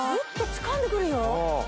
つかんでくるよ